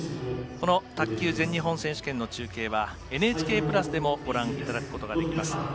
この卓球全日本選手権の中継はＮＨＫプラスでもご覧いただくことができます。